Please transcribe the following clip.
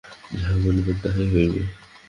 যাহা বলিবেন তাহাই হইবে।